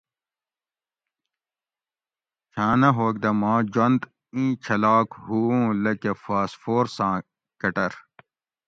چھاں نہ ھوگ دہ ما جوند ایں چھلاگ ہو اوں لکہ فاسفورساں کۤٹر